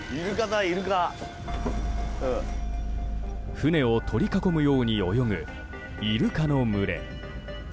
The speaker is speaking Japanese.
船を取り囲むように泳ぐイルカの群れ。